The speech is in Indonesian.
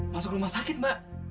masuk rumah sakit mbak